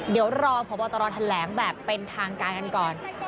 เดี๋ยวรอผัวประวัตรฐานแหลงแบบเป็นทางการกันก่อน